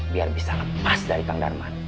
biar bisa lepas dari kang darman